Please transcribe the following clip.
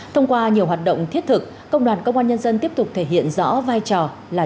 thông qua nhiều hoạt động thiết thực công đoàn công an nhân dân tiếp tục thể hiện rõ vai trò là